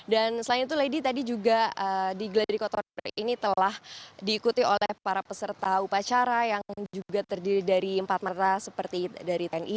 dan selain itu lady tadi juga di gladi kotor ini telah diikuti oleh para peserta upacara yang juga terdiri dari empat mata seperti dari tni